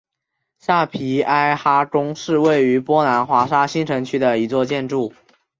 萨皮埃哈宫是位于波兰华沙新城区的一座建筑。